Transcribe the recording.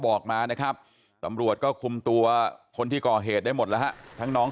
บอกมานะครับตำรวจก็คุมตัวคนที่ก่อเหตุได้หมดแล้วฮะทั้งน้อง